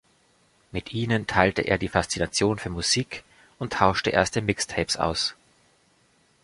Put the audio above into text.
Mit ihnen teilte er die Faszination für Musik und tauschte erste Mix-Tapes aus.